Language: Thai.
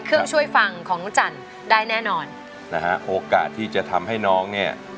ช่วยฟังของน้องจันทร์ได้แน่นอนนะฮะโอกาสที่จะทำให้น้องเนี่ย